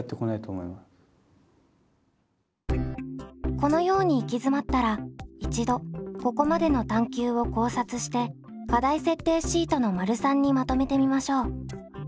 このように行き詰まったら一度ここまでの探究を考察して課題設定シートの③にまとめてみましょう。